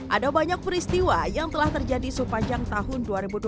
ada banyak peristiwa yang telah terjadi sepanjang tahun dua ribu dua puluh